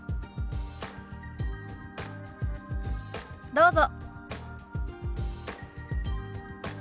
どうぞ。